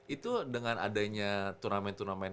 itu dengan adanya turnamen turnamen